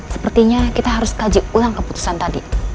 sepertinya kita harus kaji ulang keputusan tadi